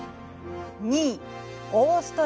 ２位オーストラリア。